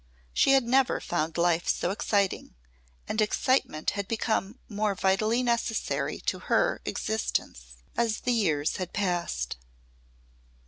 She had never found life so exciting and excitement had become more vitally necessary to her existence as the years had passed.